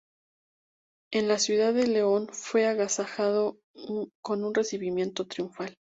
En la ciudad de León fue agasajado con un recibimiento triunfal.